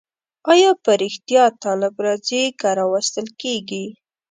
آیا په رښتیا طالب راځي که راوستل کېږي؟